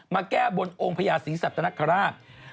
มาแก้บนองค์พยาศิริสัตว์นักฆราช